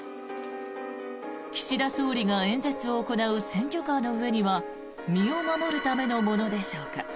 岸田総理が演説を行う選挙カーの上には身を守るためのものでしょうか。